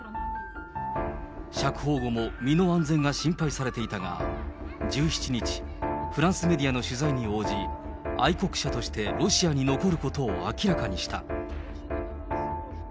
釈放後も身の安全が心配されていたが、１７日、フランスメディアの取材に応じ、愛国者としてロシアに残ることを明らかにした。